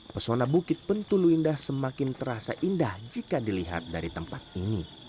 pesona bukit pentulu indah semakin terasa indah jika dilihat dari tempat ini